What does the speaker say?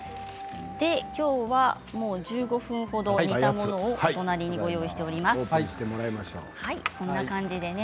今日は１５分程煮たものを隣にご用意しております。